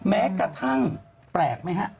แม้กระทั่งแปลกไหมฮะ